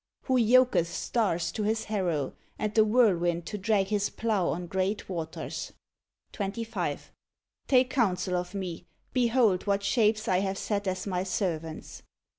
Who yoketh stars to His harrow, and the whirl wind to drag his plough on great waters. 137 "THE FORl'r l'HIRD CHJPfER OF JOB 25. Take counsel of Me; behold what shapes I have set as My servants.